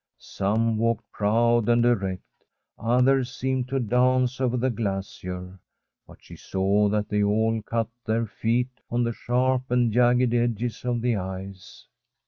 Some walked proud and erect, others seemed to dance over the glacier ; but she saw that they all cut their feet on the sharp and jagged edges of the ice.